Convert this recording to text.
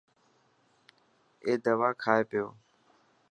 اي دوا کائي پيو.